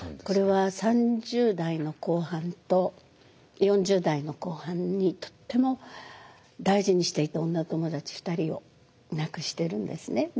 これは３０代の後半と４０代の後半にとっても大事にしていた女友達２人を亡くしてるんですね。